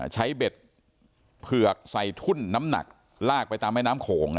เบ็ดเผือกใส่ทุ่นน้ำหนักลากไปตามแม่น้ำโขง